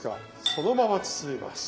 そのまま包みます。